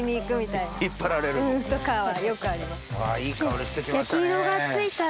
いい香りして来ましたね。